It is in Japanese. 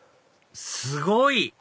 すごい！